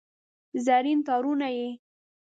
زرین تارونه یې